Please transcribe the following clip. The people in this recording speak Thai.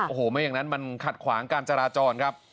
โอ้โหไม่อย่างนั้นมันขัดขวางการจราจรครับ